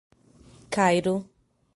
Cairu